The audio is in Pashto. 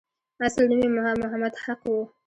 اصل نوم یې محمد حق وو.